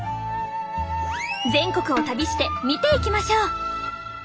全国を旅して見ていきましょう！